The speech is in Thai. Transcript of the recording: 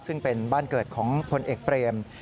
ซึ่งเป็นบ้านเกิดของพลเอกเปรม